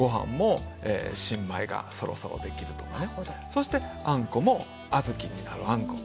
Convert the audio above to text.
そしてあんこも小豆になるあんこ。